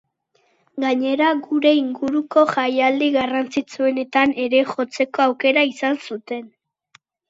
Gainera, gure inguruko jaialdi garrantzitsuenetan ere jotzeko auekra izan zuten.